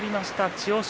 千代翔